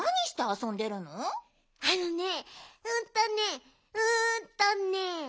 あのねうんとねうんとね。